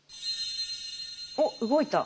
おっ動いた。